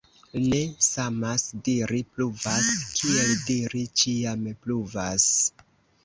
Ne samas diri «pluvas» kiel diri «ĉiam pluvas».